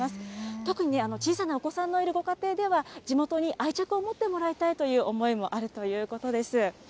特にね、小さなお子さんのいるご家庭では、地元に愛着を持ってもらいたいという思いもあるということです。